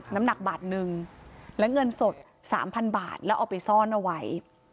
น้ำหนักบาทนึงและเงินสด๓๐๐บาทแล้วเอาไปซ่อนเอาไว้